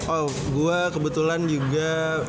oh gua kebetulan juga